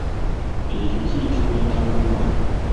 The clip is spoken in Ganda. Ekyo kiyitibwa entalumbwa.